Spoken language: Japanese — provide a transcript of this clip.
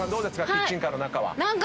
キッチンカーの中は。